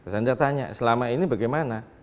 saya tanya selama ini bagaimana